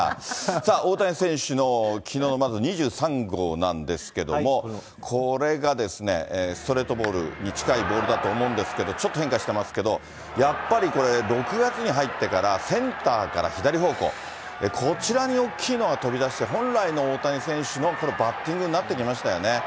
さあ、大谷選手のきのうのまず２３号なんですけども、これがですね、ストレートに近いボールだと思うんですけれども、ちょっと変化してますけど、やっぱりこれ、６月に入ってからセンターから左方向、こちらに大きいのが飛び出して、本来の大谷選手のこのバッティングになってきましたよね。